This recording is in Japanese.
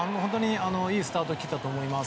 いいスタートを切ったと思います。